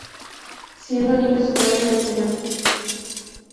Siendo niño su padre le enseñó a tocar el violín.